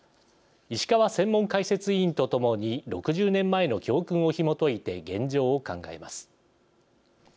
石川専門解説委員と共に６０年前の教訓をひもといて現状を考えます。